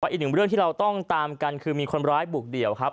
อีกหนึ่งเรื่องที่เราต้องตามกันคือมีคนร้ายบุกเดี่ยวครับ